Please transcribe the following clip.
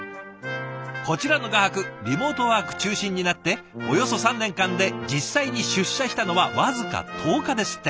こちらの画伯リモートワーク中心になっておよそ３年間で実際に出社したのは僅か１０日ですって。